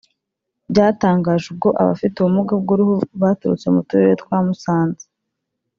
Byatangajwe ubwo abafite ubumuga bw’uruhu baturutse mu turere twa Musanze